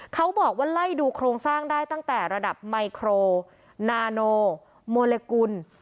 เขาบอกว่าไล่ดูโครงสร้างได้ตั้งแต่ระดับไมโครนาโนโมเลกุล